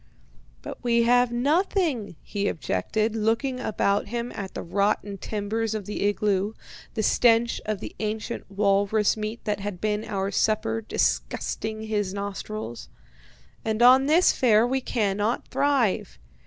'" "'But we have nothing,' he objected, looking about him at the rotten timbers of the igloo, the stench of the ancient walrus meat that had been our supper disgusting his nostrils. 'And on this fare we cannot thrive.